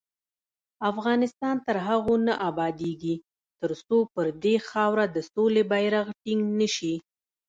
افغانستان تر هغو نه ابادیږي، ترڅو پر دې خاوره د سولې بیرغ ټینګ نشي.